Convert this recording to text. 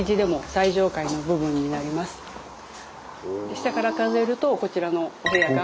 下から数えるとこちらのお部屋が。